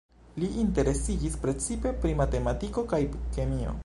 Li interesiĝis precipe pri matematiko kaj kemio.